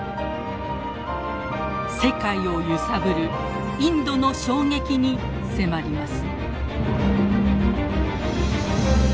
世界を揺さぶるインドの衝撃に迫ります。